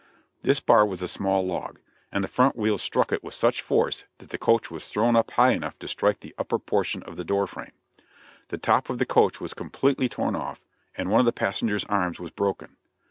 This bar was a small log, and the front wheels struck it with such force that the coach was thrown up high enough to strike the upper portion of the door frame. The top of the coach was completely torn off, and one of the passenger's arms was broken.